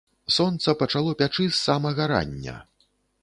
Сонца пачало пячы з самага рання.